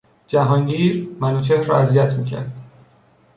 جهانگیر منوچهر را اذیت میکرد.